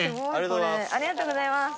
ありがとうございます。